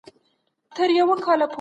سرحدونه وساتئ.